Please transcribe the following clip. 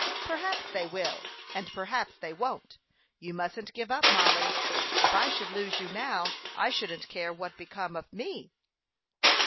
"Perhaps they will, and perhaps they won't. You mustn't give up, Mollie. If I should lose you now, I shouldn't care what became of me."